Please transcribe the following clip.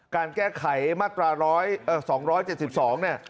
การแก้ไขมาตราสองร้อยเจ็ดสิบสองเนี่ย